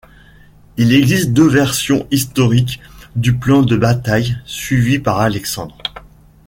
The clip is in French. Il existe deux versions historiques du plan de bataille suivi par Alexandre.